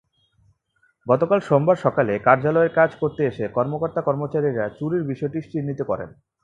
গতকাল সোমবার সকালে কার্যালয়ে কাজ করতে এসে কর্মকর্তা-কর্মচারীরা চুরির বিষয়টি চিহ্নিত করেন।